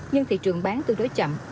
nhưng thị trường bán tương đối chậm